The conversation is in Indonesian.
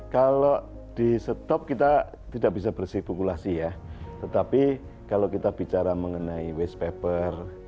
kalau di stop kita tidak bisa bersih populasi ya tetapi kalau kita bicara mengenai waste paper